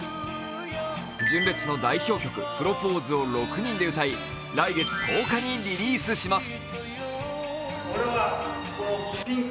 純烈の代表曲「プロポーズ」を６人で歌い来月１０日にリリースします。